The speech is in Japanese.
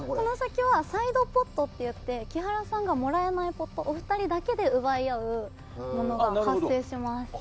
この先サイドポットって言って木原さんがもらえずお二人だけで奪い合うものが発生します。